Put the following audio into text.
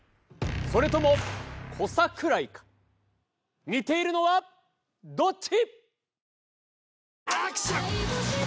それとも小桜井か似ているのはどっち？